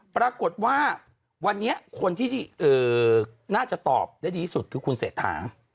ปรากฏว่าวันนี้คนที่น่าจะตอบได้ดีที่สุดคือคุณเศรษฐา